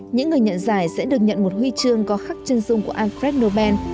những người nhận giải sẽ được nhận một huy chương có khắc chân dung của alfred nobel